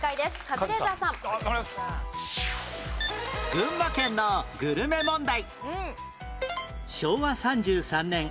群馬県のグルメ問題